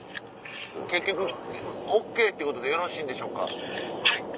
結局ＯＫということでよろしいんでしょうか？